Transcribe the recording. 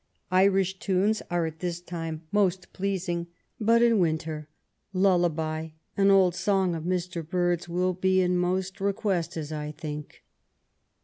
Irish tunes are at this time most pleasing; but in winter, * Lullaby,' an old song of Mr. Bird's, will be in most request, as I think."